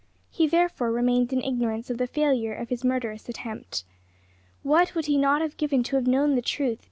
He therefore remained in ignorance of the failure of his murderous attempt. What would he not have given to have known the truth!